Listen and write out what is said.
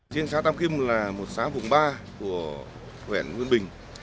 chiến xá tam kim là một xá vùng ba của huyện nguyễn bình